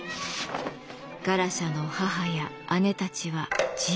ガラシャの母や姉たちは自害。